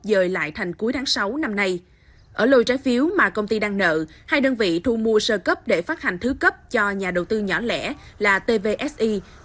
dời lại thành cuối tháng sáu năm nay